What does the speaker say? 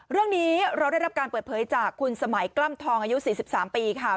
เรื่องนี้เราได้รับการเปิดเผยจากคุณสมัยกล้ำทองอายุ๔๓ปีค่ะ